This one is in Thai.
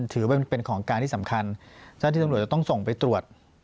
ถือว่าเป็นของการที่สำคัญเจ้าที่ตำรวจจะต้องส่งไปตรวจ